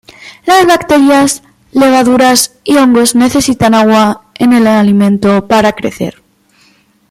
Las bacterias, levaduras y hongos necesitan agua en el alimento para crecer.